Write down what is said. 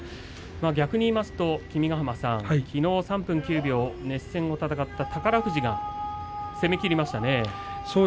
逆に言いますと君ヶ濱さん３分９秒、熱戦を戦った宝富士攻めきりましたね。